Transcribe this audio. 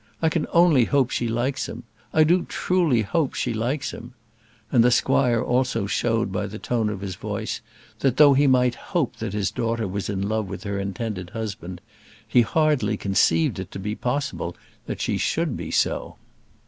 I can only hope she likes him. I do truly hope she likes him;" and the squire also showed by the tone of his voice that, though he might hope that his daughter was in love with her intended husband, he hardly conceived it to be possible that she should be so.